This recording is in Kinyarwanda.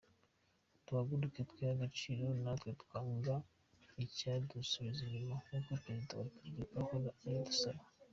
Duhaguruke twihe agaciro natwe twanga icyadusubiza inyuma nk’uko perezida wa Repubulika ahora abidusaba ».